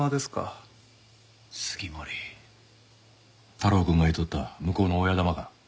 太郎くんが言うとった向こうの親玉か。